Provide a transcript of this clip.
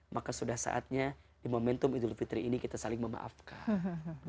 maka sudah saatnya di momentum idul fitri ini kita saling memaafkan